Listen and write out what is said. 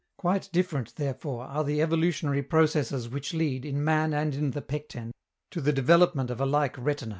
Quite different, therefore, are the evolutionary processes which lead, in man and in the Pecten, to the development of a like retina.